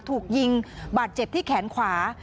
ถูกยิงบาดเจ็บที่แขนขวา